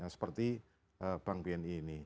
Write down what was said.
seperti bank bni ini